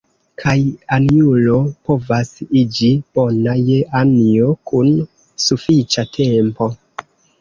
Kaj ajnulo povas iĝi bona je ajno kun sufiĉa tempo.